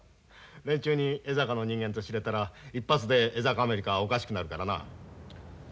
連中に江坂の人間と知れたら一発で江坂アメリカはおかしくなるからな。